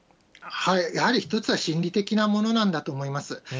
やはり一つは心理的なものなんだと思います。